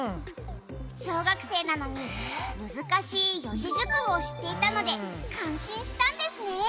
「小学生なのに難しい四字熟語を知っていたので感心したんですね」